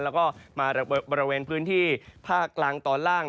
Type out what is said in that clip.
แล้วก็มาบริเวณพื้นที่ภาคกลางตอนล่าง